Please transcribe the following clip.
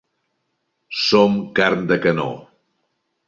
Som carn de canó.